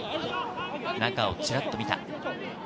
中をチラっと見た。